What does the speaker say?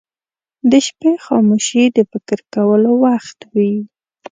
• د شپې خاموشي د فکر کولو وخت وي.